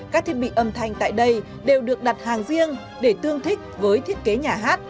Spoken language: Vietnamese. các thiết bị âm thanh tại đây đều được đặt hàng riêng để tương thích với thiết kế nhà hát